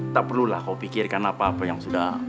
tak perlulah kau pikirkan apa apa yang sudah